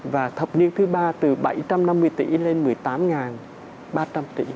và thập niên thứ ba từ bảy trăm năm mươi tỷ lên một mươi tám ba trăm linh tỷ